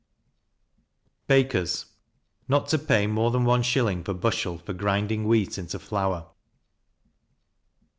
] Bakers not to pay more than one shilling per bushel for grinding wheat into flour.